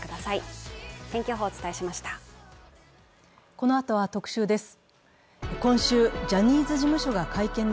このあとは「特集」です。